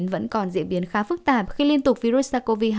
vẫn còn diễn biến khá phức tạp khi liên tục virus sars cov hai